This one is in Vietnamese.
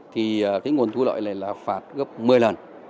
thì cái nguồn thu lợi này là phạt gấp một mươi lần